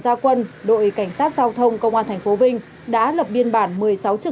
vì vậy các lực lượng cảnh sát giao thông công an tp đã áp dụng quy trình kiểm tra nông độ cồn